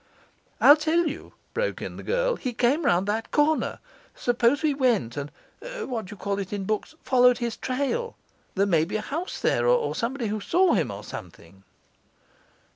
'I'll tell you,' broke in the girl, 'he came round that corner. Suppose we went and what do you call it in books? followed his trail? There may be a house there, or somebody who saw him, or something.